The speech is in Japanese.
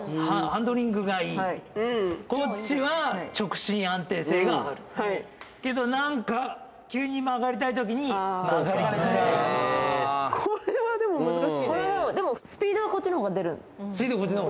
ハンドリングがいいこっちは直進安定性があるけどなんか急に曲がりたいときに曲がりづらいスピードこっちの方が出ます